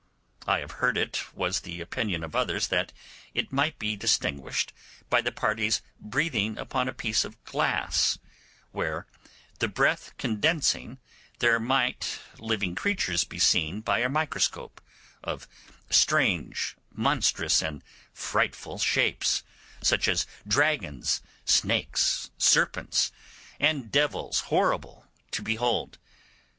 I have heard it was the opinion of others that it might be distinguished by the party's breathing upon a piece of glass, where, the breath condensing, there might living creatures be seen by a microscope, of strange, monstrous, and frightful shapes, such as dragons, snakes, serpents, and devils, horrible to behold.